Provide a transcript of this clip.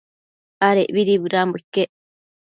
Adecbidi bëdanbo iquec